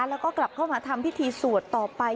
แล้วก็กลับเข้ามาทำพิธีสวดต่อไป